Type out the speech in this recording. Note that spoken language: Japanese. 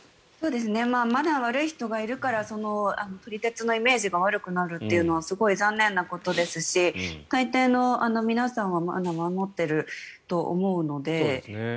まだ悪い人がいるから撮り鉄のイメージが悪くなるのはすごい残念なことですし大抵、皆さんは守っていると思いますので。